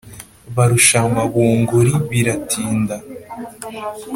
Barushanwa bunguri biratinda: